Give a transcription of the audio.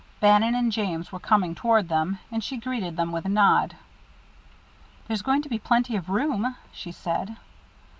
Bannon and James were coming toward them, and she greeted them with a nod. "There's going to be plenty of room," she said.